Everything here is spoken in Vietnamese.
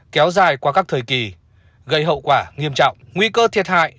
kéo dài qua các thời kỳ gây hậu quả nghiêm trọng nguy cơ thiệt hại